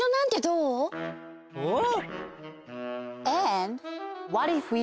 うん！